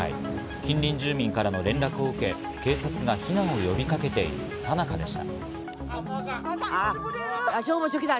近隣住民からの連絡を受け、警察が避難を呼びかけている最中でした。